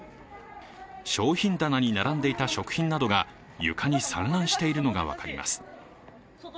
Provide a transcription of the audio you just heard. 商品棚に並んでいた食品などが床に散乱しているのが分かります。